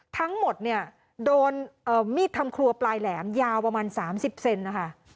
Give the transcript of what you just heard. ทั้งหมดโดนมีดธรรมครัวปลายแหลมยาวประมาณ๓๐เซนติเซียงนะคะ